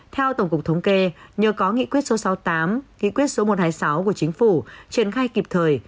theo tổng cục thống kê nhờ có nghị quyết số sáu mươi tám nghị quyết số một trăm hai mươi sáu của chính phủ triển khai kịp thời